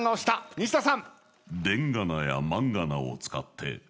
西田さん。